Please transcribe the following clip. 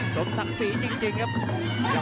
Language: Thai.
สมศักดิ์ศรีจริงครับ